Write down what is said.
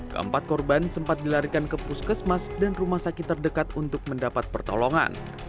keempat korban sempat dilarikan ke puskesmas dan rumah sakit terdekat untuk mendapat pertolongan